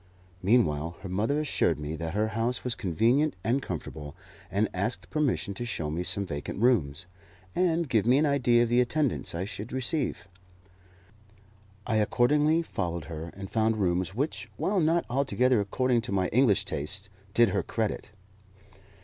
Meanwhile her mother assured me that her house was convenient and comfortable, and asked permission to show me some vacant rooms, and give me an idea of the attendance I should receive. I accordingly followed her, and found rooms which, while not altogether according to my English tastes, did her credit.